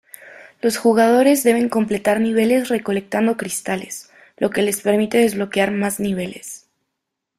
Los jugadores deben completar niveles recolectando cristales, lo que les permite desbloquear más niveles.